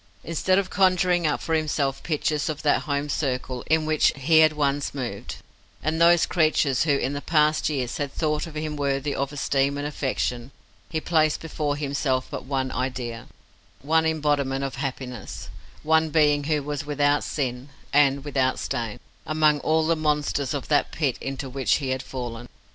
Instead of conjuring up for himself pictures of that home circle in which he had once moved, and those creatures who in the past years had thought him worthy of esteem and affection, he placed before himself but one idea, one embodiment of happiness, one being who was without sin and without stain, among all the monsters of that pit into which he had fallen.